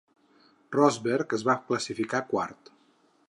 Rosberg es va classificar quart.